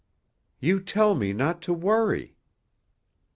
"You tell me not to worry."